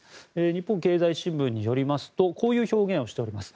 日本経済新聞によりますとこういう表現をしています。